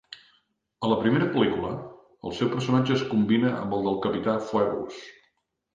A la primera pel·lícula, el seu personatge es combina amb el del capità Phoebus.